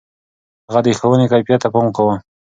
هغه د ښوونې کيفيت ته پام کاوه.